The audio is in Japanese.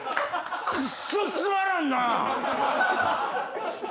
クソつまらんな！